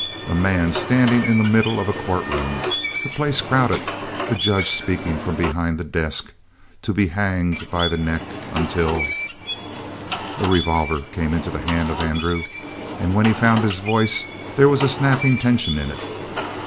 A man standing in the middle of a courtroom; the place crowded; the judge speaking from behind the desk: " to be hanged by the neck until " A revolver came into the hand of Andrew. And when he found his voice, there was a snapping tension in it.